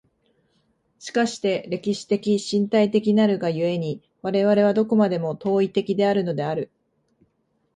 しかして歴史的身体的なるが故に、我々はどこまでも当為的であるのである。